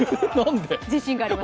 自信があります。